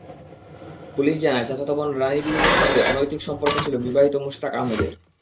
Police জানায়, চাচাতো বোন রানি বিবির সঙ্গে অনৈতিক সম্পর্ক ছিল বিবাহিত মুশতাক আহমেদের।